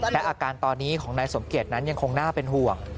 และอาการตอนนี้ของนายสมเกียจนั้นยังคงน่าเป็นห่วง